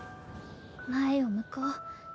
前を向こう。